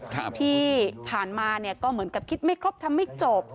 ที่ผ่านมาเนี่ยก็เหมือนกับคิดไม่ครบทำไม่จบ